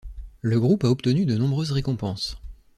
Le groupe a obtenu de nombreuses récompenses.